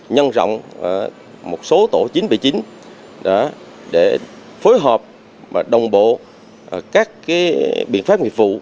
nhân rộng một số tổ chính vị chính để phối hợp và đồng bộ các biện pháp nghiệp vụ